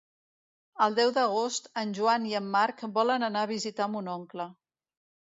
El deu d'agost en Joan i en Marc volen anar a visitar mon oncle.